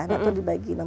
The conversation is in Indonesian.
itu dibagi enam puluh